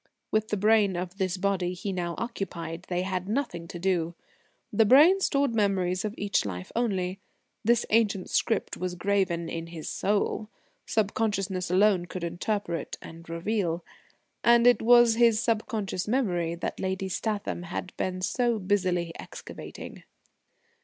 With the brain of this body he now occupied they had nothing to do. The brain stored memories of each life only. This ancient script was graven in his soul. Subconsciousness alone could interpret and reveal. And it was his subconscious memory that Lady Statham had been so busily excavating.